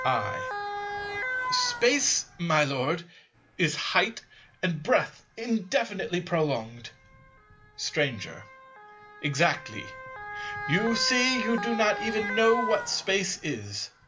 I. Space, my Lord, is height and breadth indefinitely prolonged. Stranger. Exactly: you see you do not even know what Space is.